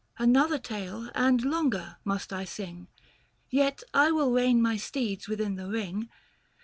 705 Another tale, and longer, must I sing, Yet will I rein my steeds within the ring.